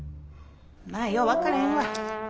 何やよう分からへんわ。